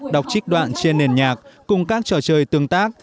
đọc trích đoạn trên nền nhạc cùng các trò chơi tương tác